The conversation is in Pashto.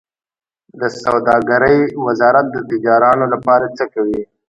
د سوداګرۍ وزارت د تجارانو لپاره څه کوي؟